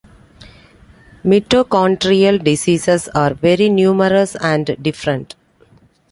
Mitochondrial diseases are very numerous and different.